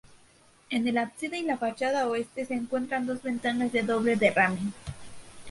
En el ábside y la fachada oeste se encuentran dos ventanas de doble derrame.